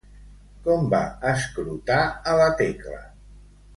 Com va escrutar a la Tecla?